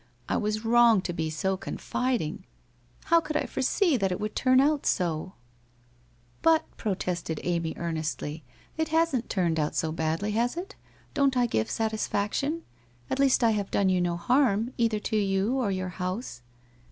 I was wrong to be so confiding. How could I foresee that it would turn out so ?'' But,' protested Amy earnestly, ' it hasn't turned out so badly has it? Don't I give satisfaction? At least I have done you no harm, either to you or your house